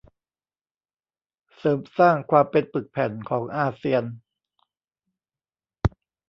เสริมสร้างความเป็นปึกแผ่นของอาเซียน